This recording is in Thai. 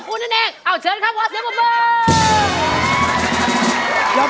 คุณแน่เอาเชิญครับวัดนึกบุ่มเบิ้ง